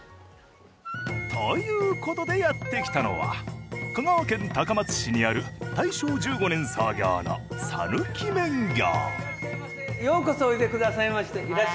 ということでやってきたのは、香川県高松市にある大正１５年創業のさぬき麺業。